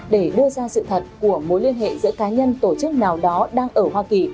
để đưa ra sự thật của mối liên hệ giữa cá nhân tổ chức nào đó đang ở hoa kỳ